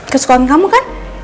kesukaan kamu kan